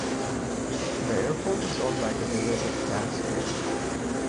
The airport is owned by the Village of Cassville.